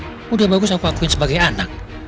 sudah bagus aku lakuin sebagai anak